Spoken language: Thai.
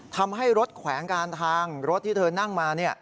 ทำให้รถแขวงการทางรถที่เธอนั่งมา